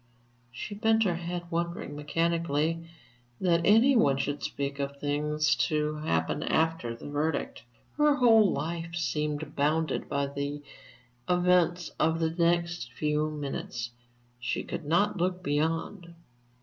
She bent her head, wondering mechanically that any one should speak of things to happen after the verdict. Her whole life seemed bounded by the events of the next few minutes; she could not look beyond....